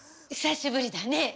久しぶりだね。